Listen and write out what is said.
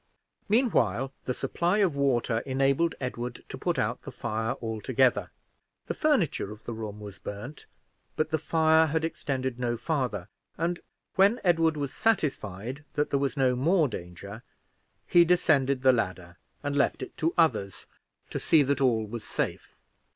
Meanwhile the supply of water enabled Edward to put out the fire altogether: the furniture of the room was burned, but the fire had extended no farther; and when Edward was satisfied that there was no more danger, he descended the ladder, and left it to others to see that all was safe.